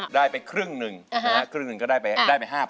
ได้ไปครึ่งหนึ่งครึ่งหนึ่งก็ได้ไป๕๐๐